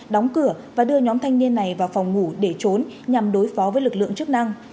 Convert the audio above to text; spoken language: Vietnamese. đóng cửa và đưa nhóm thanh niên này vào phòng ngủ để trốn nhằm đối phó với lực lượng chức năng